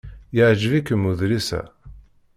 Yeɛjeb-ikem udlis-a?